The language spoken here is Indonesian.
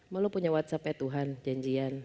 mau lo punya whatsappnya tuhan janjian